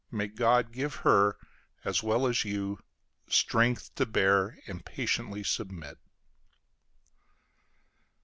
May God give her, as well as you, strength to bear and patiently submit.